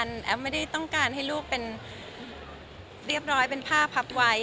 แอฟไม่ได้ต้องการให้ลูกเป็นเรียบร้อยเป็นผ้าพับไว้